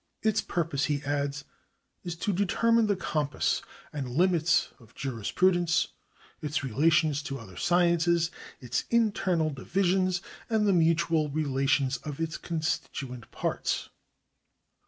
" Its purpose," he adds, " is to determine the compass and limits of jurispru dence, its relations to other sciences, its internal divisions, and the mutual relations of its constituent parts."